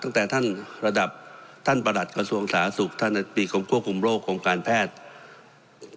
ตั้งแต่ท่านระดับท่านประหลัดกระทรวงสาธารณสุขท่านอธิบดีกรมควบคุมโรคของการแพทย์